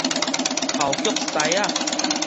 頭腳師仔